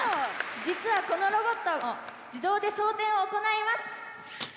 実はこのロボット自動で装填を行います。